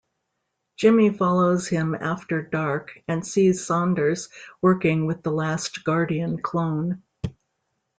Jimmy follows him after dark and sees Saunders working with the last Guardian clone.